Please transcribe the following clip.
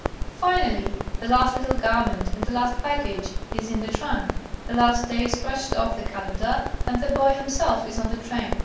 Finally, the last little garment and the last package is in the trunk, the last day is scratched off the calendar, and the boy himself is on the train.